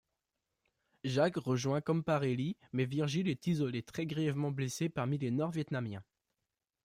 Jake rejoint Camparelli, mais Virgil est isolé, très grièvement blessé parmi les Nord-vietnamiens.